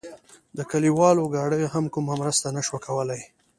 د کلیوالو ګاډیو هم کومه مرسته نه شوه کولای.